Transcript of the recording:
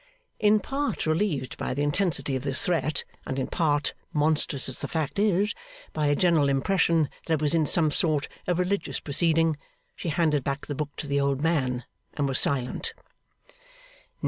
In part relieved by the intensity of this threat, and in part (monstrous as the fact is) by a general impression that it was in some sort a religious proceeding, she handed back the book to the old man, and was silent.